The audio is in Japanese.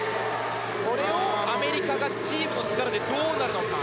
それを、アメリカがチームの力でどうなるのか。